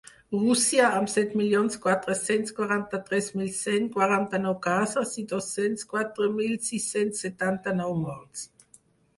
Rússia, amb set milions quatre-cents quaranta-tres mil cent quaranta-nou casos i dos-cents quatre mil sis-cents setanta-nou morts.